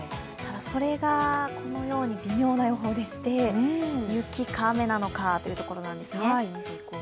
ただ、それがこのように微妙な予報でして、雪か雨なのかというところなんですね。